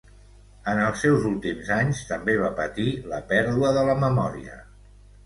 En els seus últims anys, també va patir la pèrdua de la memòria.